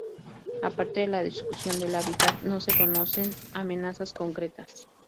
Aparte de la destrucción del hábitat, no se conocen amenazas concretas.